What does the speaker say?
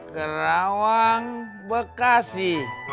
ke rawang bekasi